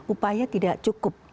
upaya tidak cukup